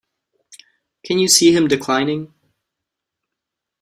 Can you see him declining?